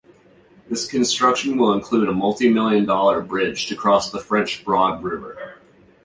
This construction will include a multimillion-dollar bridge to cross the French Broad River.